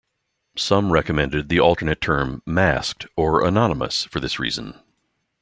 Some recommend the alternate term "masked" or "anonymous" for this reason.